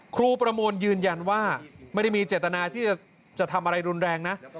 ครูประมวลยืนยันว่าไม่ได้มีเจตนาที่จะทำอะไรรุนแรงนะ